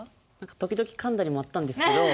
時々かんだりもあったんですけど